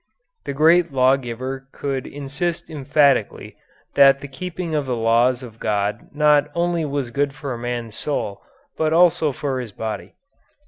The great lawgiver could insist emphatically that the keeping of the laws of God not only was good for a man's soul but also for his body."